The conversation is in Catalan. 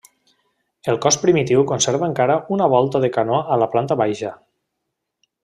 El cos primitiu conserva encara una volta de canó a la planta baixa.